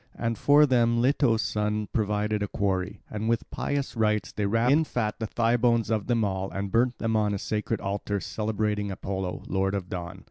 And for them Leto's son provided a quarry; and with pious rites they wrapped in fat the thigh bones of them all and burnt them on the sacred altar, celebrating Apollo, Lord of Dawn.